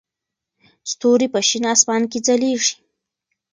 ستوري په شین اسمان کې ځلېږي.